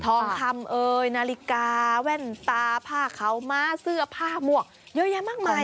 ทองคำเอ่ยนาฬิกาแว่นตาผ้าขาวม้าเสื้อผ้าหมวกเยอะแยะมากมาย